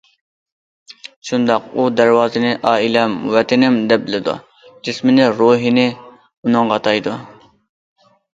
شۇنداق، ئۇ دەرۋازىنى‹‹ ئائىلەم، ۋەتىنىم›› دەپ بىلىدۇ، جىسمىنى، روھىنى ئۇنىڭغا ئاتايدۇ.